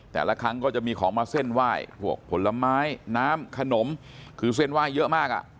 แต่ละครั้งก็จะมีของมาเส้นไหว้พวกผลไม้น้ำขนมคือเส้นไหว้เยอะมากอ่ะ